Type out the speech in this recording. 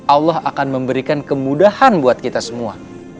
allah akan memberikan kemudahan buat kita semua